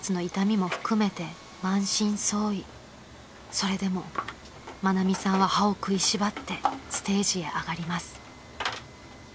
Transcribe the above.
［それでも愛美さんは歯を食いしばってステージへ上がります］